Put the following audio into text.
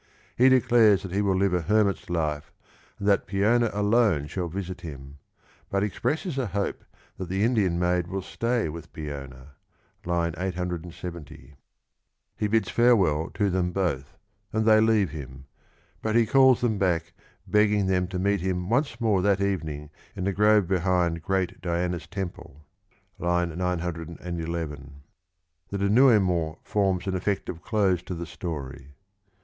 He declares that he will live a hermit's life, and that Peona alone shall visit him, but expresses a hope that the Indian maid will stay with Peona (870). He bids 69 farewell to them both, and they leave him, but he calls them back, begging them to meet him once more that evening in the grove behind great Diana's temple (911). The denouement forms an effective close to the story.